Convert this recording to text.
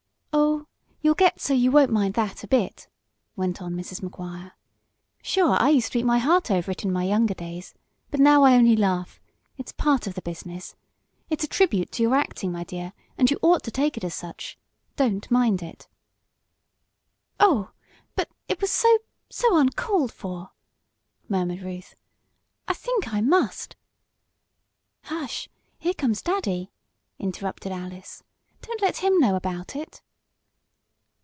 "Oh, you'll get so you won't mind that a bit!" went on Mrs. Maguire. "Sure, I used to eat my heart over it in my younger days, but now I only laugh. It's part of the business. It's a tribute to your acting, my dear, and you ought to take it as such. Don't mind it." "Oh, but it was so so uncalled for!" murmured Ruth. "I think I must " "Hush! Here comes daddy!" interrupted Alice. "Don't let him know about it."